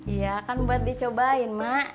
iya kan buat dicobain mak